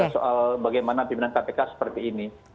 soal bagaimana pimpinan kpk seperti ini